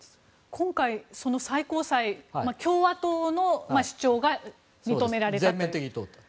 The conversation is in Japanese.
今回、その最高裁で共和党の主張が認められたと。